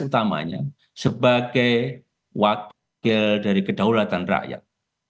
utamanya sebagai wakil dari kedaulatan rakyat